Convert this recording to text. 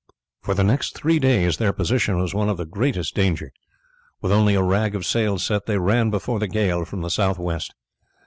For the next three days their position was one of the greatest danger. With only a rag of sail set they ran before the gale from the south west.